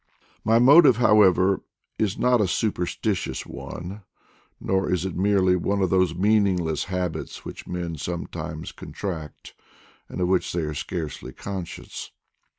My motive, however, is not a superstitious one, nor is it merely one of those meaningless habits which men sometimes contract, and of which they are scarcely conscious.